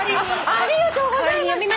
ありがとうございます。